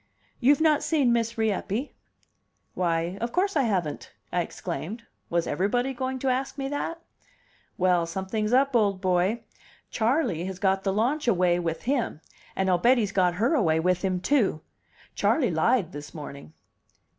"You've not seen Miss Rieppe?" "Why, of course I haven't!" I exclaimed. Was everybody going to ask me that? "Well, something's up, old boy. Charley has got the launch away with him and I'll bet he's got her away with him, too. Charley lied this morning."